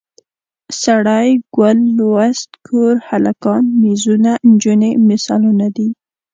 سړی، ګل، لوست، کور، هلکان، میزونه، نجونې مثالونه دي.